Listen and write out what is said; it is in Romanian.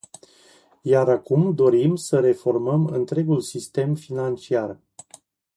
Iar acum dorim să reformăm întregul sistem financiar.